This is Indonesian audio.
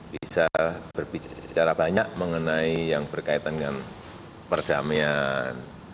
bisa berbicara secara banyak mengenai yang berkaitan dengan perdamaian